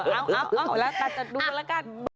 เอาเอาแล้วตัดดูแล้วกัน